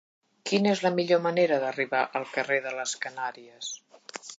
Quina és la millor manera d'arribar al carrer de les Canàries?